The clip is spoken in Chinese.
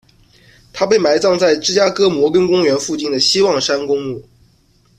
他被埋葬在芝加哥摩根公园附近的希望山公墓。